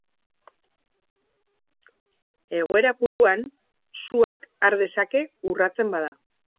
Egoera puruan suak har dezake urratzen bada.